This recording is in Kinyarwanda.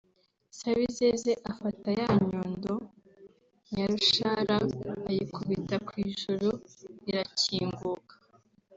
Sabizeze afata ya nyundo Nyarushara ayikubita kw’ijuru rirakinguka